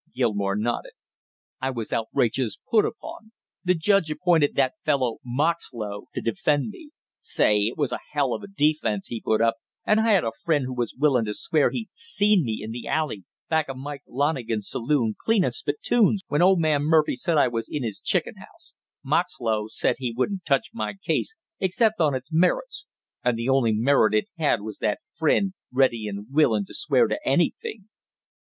Gilmore nodded. "I was outrageous put upon! The judge appointed that fellow Moxlow to defend me! Say, it was a hell of a defense he put up, and I had a friend who was willin' to swear he'd seen me in the alley back of Mike Lonigan's saloon cleaning spittoons when old man Murphy said I was in his chicken house; Moxlow said he wouldn't touch my case except on its merits, and the only merit it had was that friend, ready and willin' to swear to anything!"